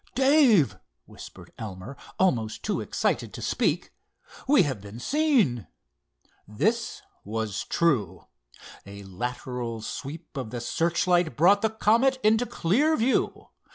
"Dave," whispered Elmer, almost too excited to speak, "we have been seen!" This was true. A lateral sweep of the searchlight brought the Comet into clear view.